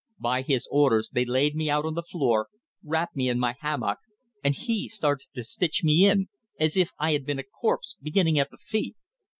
By his orders they laid me out on the floor, wrapped me in my hammock, and he started to stitch me in, as if I had been a corpse, beginning at the feet.